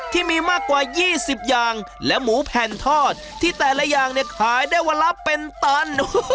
ที่มีมากกว่า๒๐อย่างและหมูแผ่นทอดที่แต่ละอย่างเนี่ยขายได้วันละเป็นตัน